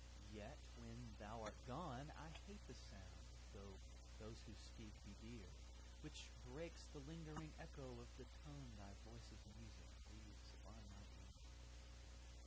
—yet, when thou art gone, I hate the sound (though those who speak be dear) 10 Which breaks the lingering echo of the tone Thy voice of music leaves upon my ear.